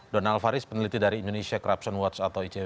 donald faris peneliti dari indonesia corruption watch atau icw